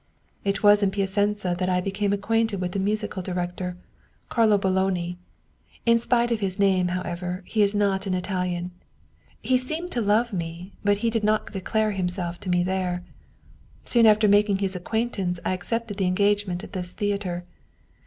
" It was in Piacenza that I became acquainted with the musical director, Carlo Boloni. In spite of his name, how ever, he is not an Italian. He seemed to love me, but he did not declare himself to me there. Soon after making his acquaintance I accepted the engagement at this theater.